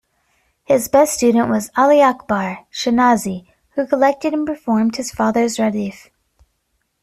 His best student was Ali Akbar Shahnazi, who collected and performed his father's radif.